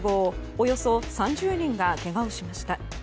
およそ３０人がけがをしました。